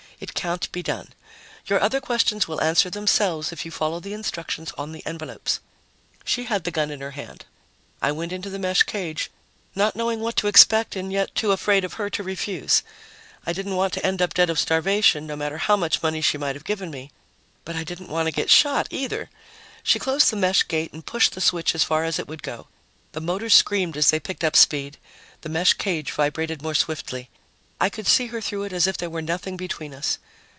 It can't be done. Your other questions will answer themselves if you follow the instructions on the envelopes." She had the gun in her hand. I went into the mesh cage, not knowing what to expect and yet too afraid of her to refuse. I didn't want to wind up dead of starvation, no matter how much money she might have given me but I didn't want to get shot, either. She closed the mesh gate and pushed the switch as far as it would go. The motors screamed as they picked up speed; the mesh cage vibrated more swiftly; I could see her through it as if there were nothing between us.